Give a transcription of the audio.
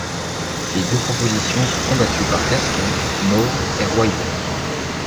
Ces deux propositions sont combattues par Gaston, Maure et Royer.